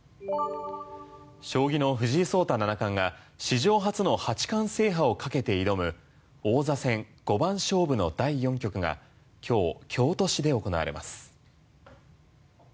将棋の藤井聡太七冠が史上初の８冠制覇を懸けて挑む王座戦五番勝負の第４局が今日、京都市で行われます。